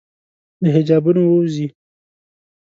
د حجابونو ووزي